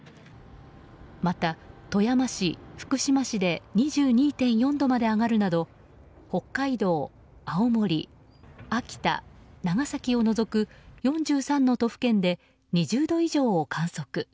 また、富山市、福島市で２２．４度まで上がるなど北海道、青森、秋田、長崎を除く４３の都府県で２０度以上を観測。